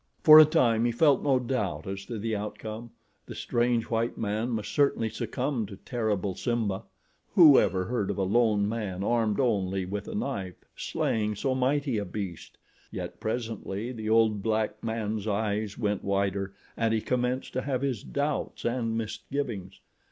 For a time he felt no doubt as to the outcome—the strange white man must certainly succumb to terrible Simba—whoever heard of a lone man armed only with a knife slaying so mighty a beast! Yet presently the old black man's eyes went wider and he commenced to have his doubts and misgivings.